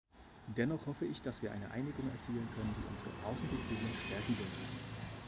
Dennoch hoffe ich, dass wir eine Einigung erzielen können, die unsere Außenbeziehungen stärken wird.